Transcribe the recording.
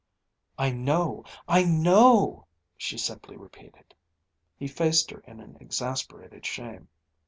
"I know! I know!" she simply repeated. He faced her in an exasperated shame.